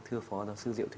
thưa phó giáo sư diệu thúy